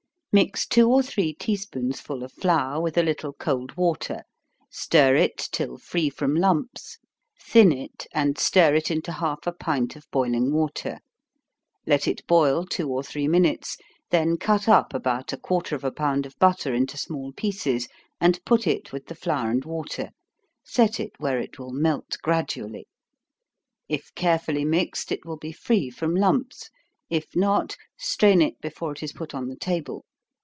_ Mix two or three tea spoonsful of flour with a little cold water stir it till free from lumps, thin it, and stir it into half a pint of boiling water let it boil two or three minutes, then cut up about a quarter of a pound of butter into small pieces, and put it with the flour and water set it where it will melt gradually. If carefully mixed, it will be free from lumps if not, strain it before it is put on the table.